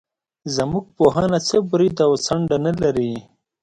زموږ پوهنه څه برید او څنډه نه لري.